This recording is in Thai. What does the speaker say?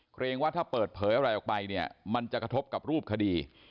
เกรงว่าถ้าเปิดเผยอะไรออกไปเนี่ยมันจะกระทบกับรูปคดี